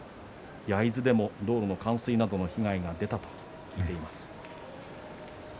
焼津でも道路の冠水の被害が出たということです。